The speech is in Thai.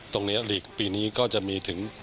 ตรงนี้อ่ะหลีกปีนี้ก็จะมี